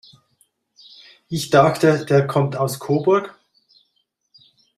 Ich dachte, der kommt aus Coburg?